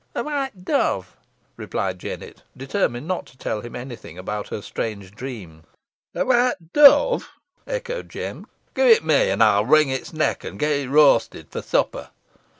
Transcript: "A white dove," replied Jennet, determined not to tell him any thing about her strange dream. "A white dove!" echoed Jem. "Gi' it me, an ey'n wring its neck, an get it roasted for supper."